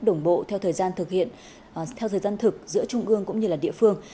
đồng bộ theo thời gian thực hiện giữa trung ương cũng như địa phương